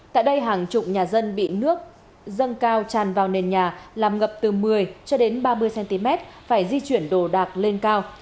tại đây hàng trụng nhà dân bị nước dâng cao tràn vào nền nhà làm ngập từ một mươi ba mươi cm phải di chuyển đồ đạc lên cao